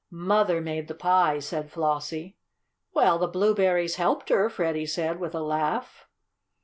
"Mother made the pies," said Flossie. "Well, the blueberries helped her," Freddie said, with a laugh.